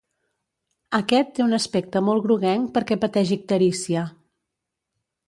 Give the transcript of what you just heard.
Aquest té un aspecte molt groguenc perquè pateix icterícia.